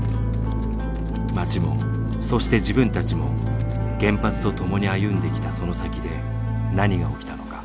町もそして自分たちも原発とともに歩んできたその先で何が起きたのか。